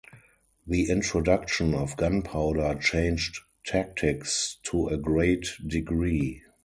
The introduction of gunpowder changed tactics to a great degree.